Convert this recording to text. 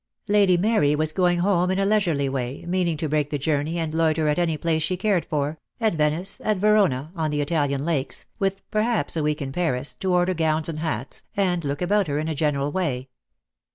Lady Mary was going home in a leisurely way, meaning to break the journey and loiter at any place she cared for, at Venice, at Verona, on the Italian Lakes, with perhaps a week in Paris, to order gowns and hats, and look about her in a general way.